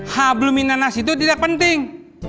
hablumina nasi itu tidak penting